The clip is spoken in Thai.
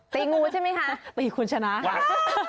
ปีงูใช่ไหมคะปีคุณชนะครับ